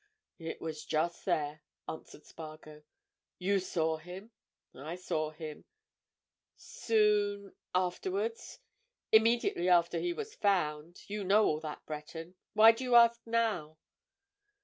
"It was just there," answered Spargo. "You saw him?" "I saw him." "Soon—afterwards?" "Immediately after he was found. You know all that, Breton. Why do you ask now?"